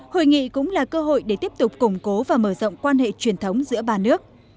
hội nghị cũng là cơ hội để tiếp tục củng cố và mở rộng quan hệ truyền thống giữa ba nước